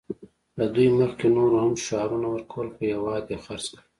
له دوی مخکې نورو هم شعارونه ورکول خو هېواد یې خرڅ کړ